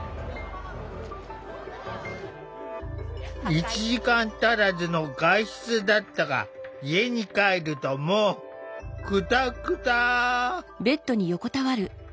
１時間足らずの外出だったが家に帰るともうクタクタ。